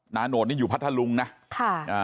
โนดนี่อยู่พัทธลุงนะค่ะอ่า